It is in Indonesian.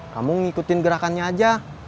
kamu ngikutin gerakannya aja